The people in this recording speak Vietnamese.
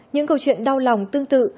những câu chuyện đau lòng tương tự